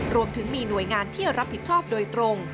รวมถึงมีหน่วยงานที่รับผิดชอบโดยตรง